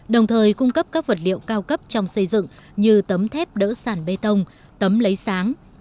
đồng thời cung cấp các vật liệu cao cấp trong xây dựng như tấm thép đỡ sản bê tông tấm lấy sáng